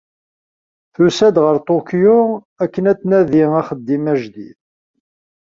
Tusa-d ɣer Tokyo akken ad tnadi axeddim ajdid.